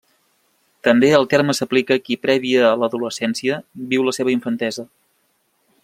També el terme s'aplica a qui prèvia a l'adolescència viu la seva infantesa.